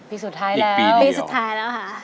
อีกปีสุดท้ายแล้ว